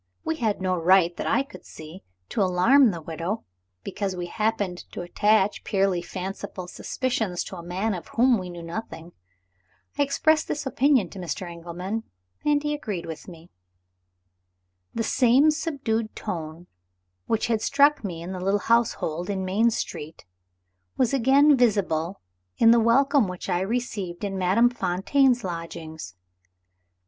We had no right, that I could see, to alarm the widow, because we happened to attach purely fanciful suspicions to a man of whom we knew nothing. I expressed this opinion to Mr. Engelman; and he agreed with me. The same subdued tone which had struck me in the little household in Main Street, was again visible in the welcome which I received in Madame Fontaine's lodgings.